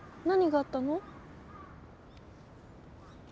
何があったの？